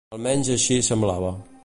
Almenys així semblava.